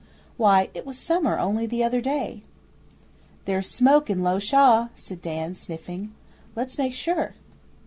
'Why, it was summer only the other day!' 'There's smoke in Low Shaw!' said Dan, sniffing. 'Let's make sure!